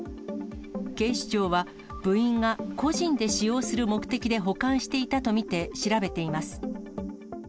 警視庁は、部員が個人で使用する目的で保管していたと見て、調べています。